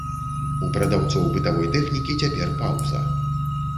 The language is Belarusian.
У прадаўцоў бытавой тэхнікі цяпер паўза.